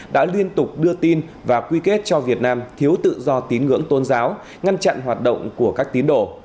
đã liên tục đưa tin và quy kết cho việt nam thiếu tự do tín ngưỡng tôn giáo ngăn chặn hoạt động của các tín đồ